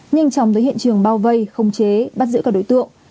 nhanh chóng tới hiện trường bao vây không chế bắt giữ các đối tượng